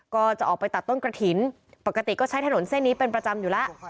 ก็จะออกไปตัดต้นกระถิ่นปกติก็ใช้ถนนเส้นนี้เป็นประจำอยู่แล้ว